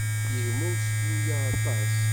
Yegma useklu-a aṭas.